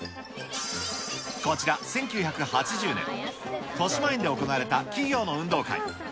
こちら、１９８０年、としまえんで行われた企業の運動会。